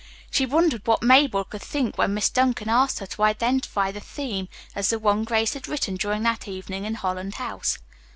She wondered what Mabel would think when Miss Duncan asked her to identify the theme as the one Grace had written during that evening in Holland House.